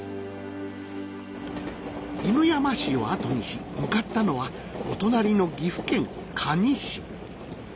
犬山市を後にし向かったのはお隣の岐阜県可児市